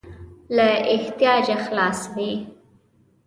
له احتیاجه خلاص وي.